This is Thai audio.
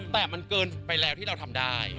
แต่มันเกินไปแล้วที่เราทำได้